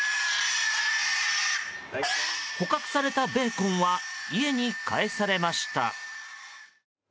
捕獲されたベーコンは家に帰されました。